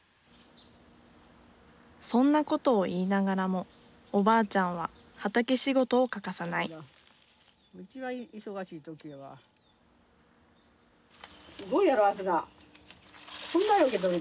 そんなことを言いながらもおばあちゃんは畑仕事を欠かさないすごいやろ明日奈。